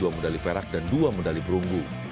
dua medali perak dan dua medali perunggu